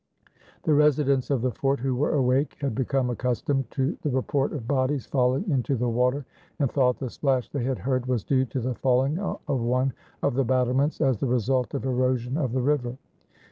The residents of the fort who were awake had become accustomed to the report of bodies falling into the water, and thought the splash they had heard was due to the falling of one of the battlements as the result of erosion of the river.